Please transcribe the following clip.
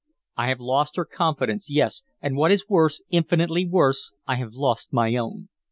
I have lost her confidence, yes and what is worse, infinitely worse, I have lost my own.